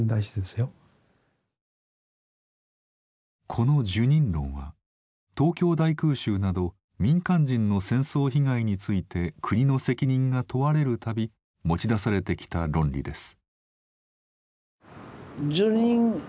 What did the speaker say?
この「受忍論」は東京大空襲など民間人の戦争被害について国の責任が問われる度持ち出されてきた論理です。